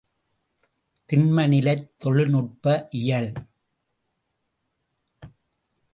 திண்ம நிலைத் தொழில்நுட்ப இயல்.